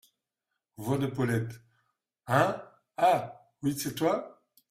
Voix de Paulette. — Hein ! ah ! oui, c’est toi ?…